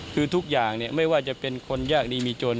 คือทุกอย่างไม่ว่าจะเป็นคนยากดีมีจน